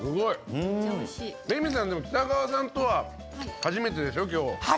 レミさん、北川さんとは初めてでしょ、今日。